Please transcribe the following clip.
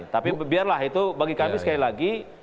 tapi biarlah itu bagi kami sekali lagi